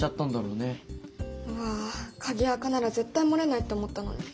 うわあ鍵アカなら絶対漏れないって思ったのに。